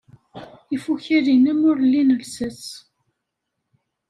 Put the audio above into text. Ifukal-nnem ur lin llsas.